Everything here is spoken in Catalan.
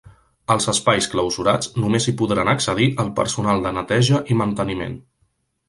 Als espais clausurats només hi podran accedir el personal de neteja i manteniment.